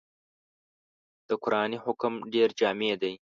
دا قرآني حکم ډېر جامع دی.